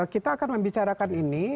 kita akan membicarakan ini